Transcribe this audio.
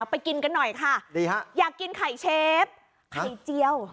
ไปกินกันหน่อยค่ะดีฮะอยากกินไข่เชฟไข่เจียว